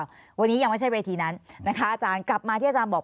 วันนี้ยังไม่ใช่เวทีนั้นนะคะอาจารย์กลับมาที่อาจารย์บอก